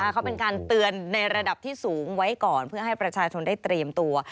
เขาเป็นการเตือนในระดับที่สูงไว้ก่อนเพื่อให้ประชาชนได้เตรียมตัว